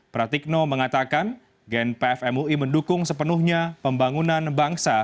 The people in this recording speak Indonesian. pratikno mengatakan gen pf mui mendukung sepenuhnya pembangunan bangsa